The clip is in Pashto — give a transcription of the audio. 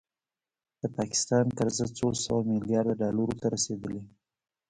د پاکستان قرضه څو سوه میلیارده ډالرو ته رسیدلې